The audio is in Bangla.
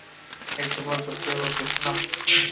একটি পদ্ধতি বলছি শোন।